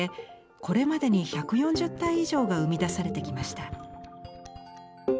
これまでに１４０体以上が生み出されてきました。